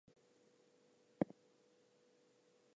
It would be hard to find a merrier set of people.